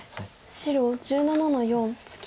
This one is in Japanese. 白１７の四ツケ。